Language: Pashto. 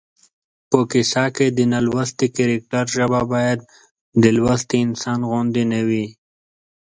په کیسه کې د نالوستي کرکټر ژبه باید د لوستي انسان غوندې نه وي